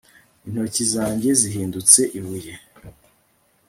Intoki zanjye zahindutse ibuye